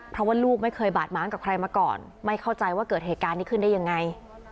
เพราะว่าลูกไม่เคยบาดม้างกับใครมาก่อนไม่เข้าใจว่าเกิดเหตุการณ์นี้ขึ้นได้ยังไง